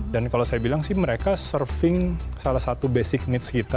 dan kalau saya bilang sih mereka serving salah satu basic needs kita